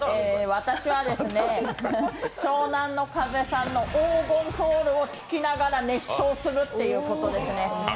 私は、湘南乃風さんの「黄金魂」を聴きながら熱唱するということですね。